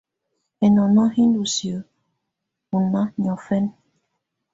Ɛnɔŋɔ́ yɛ́ ndɔ́ siǝ́ ɔ́ nɑ́á niɔ̀fɛna.